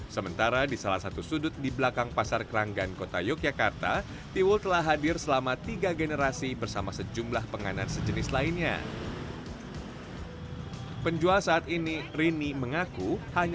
sementara itu kopi susu dan kopi hitam menjadi minuman favorit